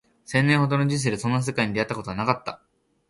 十年ほどの人生でそんな世界に出会ったことはなかった